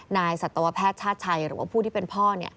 สัตวแพทย์ชาติชัยหรือว่าผู้ที่เป็นพ่อ